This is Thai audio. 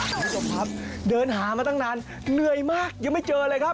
คุณผู้ชมครับเดินหามาตั้งนานเหนื่อยมากยังไม่เจอเลยครับ